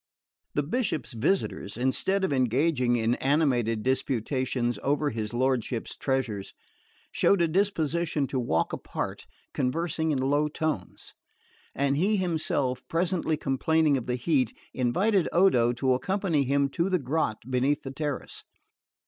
The Bishop's visitors, instead of engaging in animated disputations over his lordship's treasures, showed a disposition to walk apart, conversing in low tones; and he himself, presently complaining of the heat, invited Odo to accompany him to the grot beneath the terrace.